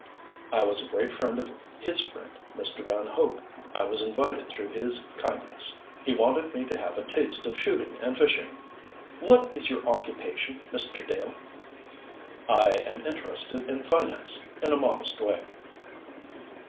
"I was a great friend of his friend, Mr. Van Hope. I was invited through his kindness. He wanted me to have a taste of shooting and fishing." "What is your occupation, Mr. Dell?" "I am interested in finance, in a modest way."